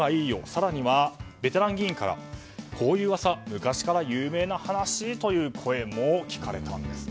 さらに、ベテラン議員からこういう噂は昔から有名な話という声も聞かれたんです。